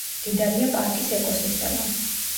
მდიდარია პარკის ეკოსისტემა.